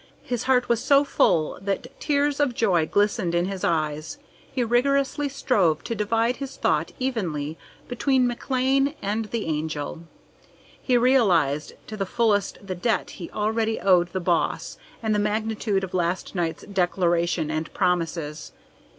His heart was so full that tears of joy glistened in his eyes. He rigorously strove to divide his thought evenly between McLean and the Angel. He realized to the fullest the debt he already owed the Boss and the magnitude of last night's declaration and promises.